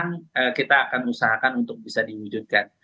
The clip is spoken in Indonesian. jadi pilkada yang kita menang kita akan usahakan untuk bisa diwujudkan